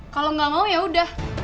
kalau nggak mau ya udah